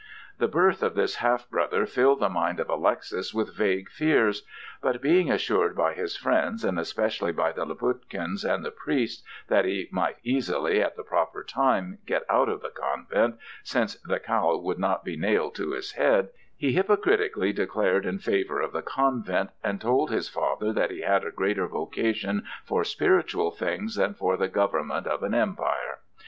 The birth of this half brother filled the mind of Alexis with vague fears. But being assured by his friends, and especially by the Laputkins and the priests, that he might easily, at the proper time, get out of the convent, since the cowl would not be nailed to his head, he hypocritically declared in favor of the convent, and told his father that he had a greater vocation for spiritual things than for the government of an empire.